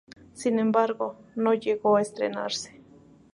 Sin embargo, no llegó a estrenarse.